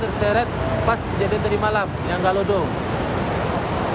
daerah yang terkebukinan korban terseret pas kejadian tadi malam yang galodong